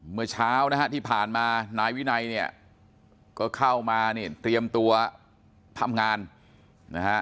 เมื่อเช้านะครับที่ผ่านมาไหนวินัยก็เข้ามานี่เตรียมตัวทำงานนะครับ